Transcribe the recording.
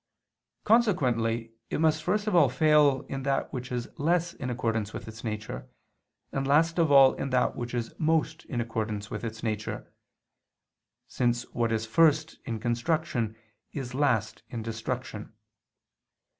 Consequently it must first of all fail in that which is less in accordance with its nature, and last of all in that which is most in accordance with its nature, since what is first in construction is last in destruction.